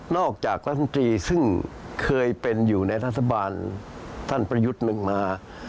จากรัฐมนตรีซึ่งเคยเป็นอยู่ในรัฐบาลท่านประยุทธ์หนึ่งมา